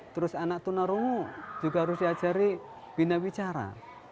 terus anak tunan rungu juga harus diajari bina bicara